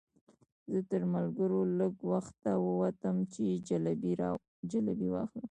زه تر ملګرو لږ وخته ووتم چې جلبۍ واخلم.